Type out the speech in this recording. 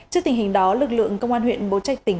trước tình hình đó lực lượng công an huyện bộ trách tỉnh